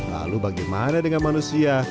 lalu bagaimana dengan manusia